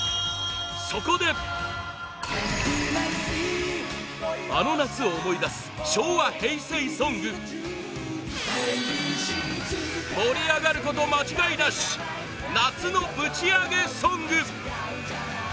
そこであの夏を思い出す昭和・平成ソング盛り上がること間違いなし夏のぶちアゲソング！